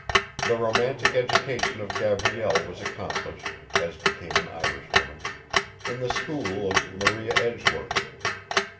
The romantic education of Gabrielle was accomplished, as became an Irishwoman, in the school of Maria Edgeworth.